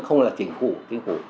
không chỉ là chính phủ chính phủ